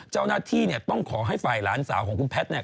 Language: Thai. เจ้าหน้าที่เนี่ยต้องขอให้ฝ่ายหลานสาวของคุณแพทย์เนี่ย